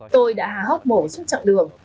tôi đã hót mổ xuống chặng đường